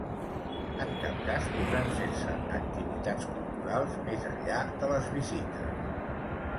En cap cas podran fer-se activitats culturals més enllà de les visites.